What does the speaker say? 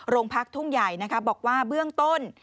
โรงพักทุ่งใหญ่บอกว่าเบื้องต้น